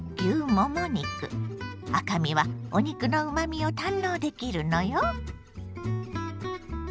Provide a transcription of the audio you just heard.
赤身はお肉のうまみを堪能できるのよ。